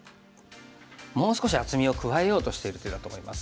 もう少し厚みを加えようとしている手だと思います。